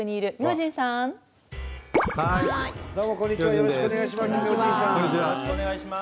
よろしくお願いします